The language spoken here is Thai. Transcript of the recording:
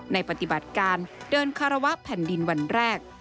ปฏิบัติการเดินคารวะแผ่นดินวันแรก